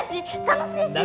楽しいし！